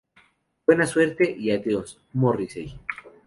Buena suerte y adiós, Morrissey".